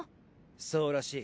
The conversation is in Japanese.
そうらしい。